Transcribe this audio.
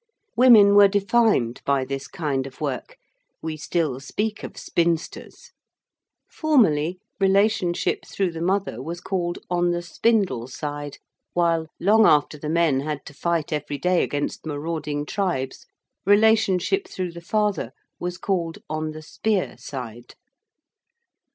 Women were defined by this kind of work we still speak of spinsters. Formerly relationship through the mother was called 'on the spindle side,' while, long after the men had to fight every day against marauding tribes, relationship through the father was called 'on the spear side.'